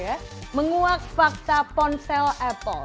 ya menguak fakta ponsel apple